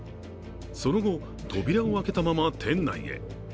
その後、扉を開けたまま店内へ。